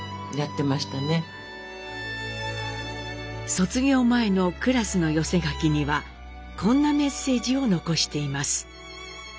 卒業前のクラスの寄せ書きにはこんなメッセージを残しています。